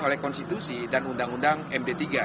oleh konstitusi dan undang undang md tiga